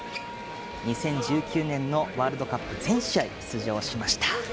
２０１９年のワールドカップ全試合出場しました。